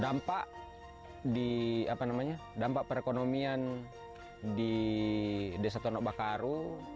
dampak di apa namanya dampak perekonomian di desa tonobakaru